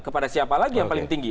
kepada siapa lagi yang paling tinggi